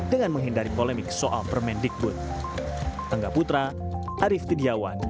dengan menghindari polemik soal permendikbud